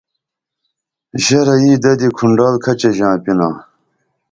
ژرہ یی ددی کُھنڈال کھچہ ژانپنا